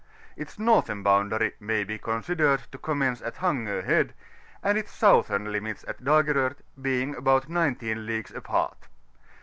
Its northern boundary may be considered to commence at Han^o Head, and its southern limit at Dagerort, being about 19 leagues apart.